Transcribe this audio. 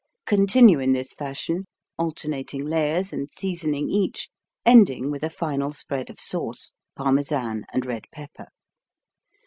Continue in this fashion, alternating layers and seasoning each, ending with a final spread of sauce, Parmesan and red pepper.